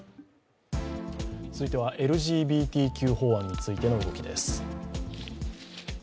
続いてはＬＧＢＴＱ法案についての動きです。